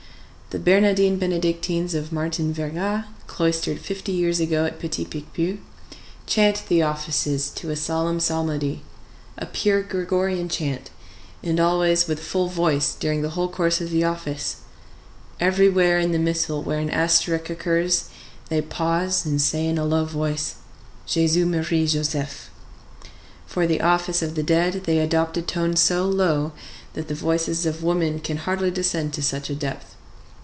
The Bernardines Benedictines of Martin Verga, cloistered fifty years ago at Petit Picpus, chant the offices to a solemn psalmody, a pure Gregorian chant, and always with full voice during the whole course of the office. Everywhere in the missal where an asterisk occurs they pause, and say in a low voice, "Jesus Marie Joseph." For the office of the dead they adopt a tone so low that the voices of women can hardly descend to such a depth.